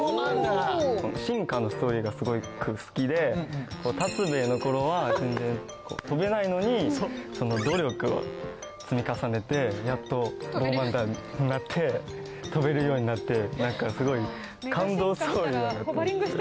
進化のストーリーがすごく好きでタツベイの頃は全然飛べないのに努力を積み重ねてやっとボーマンダになって飛べるようになってなんかすごい感動ストーリーだなと思って。